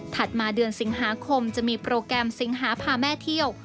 มาเดือนสิงหาคมจะมีโปรแกรมสิงหาพาแม่เที่ยว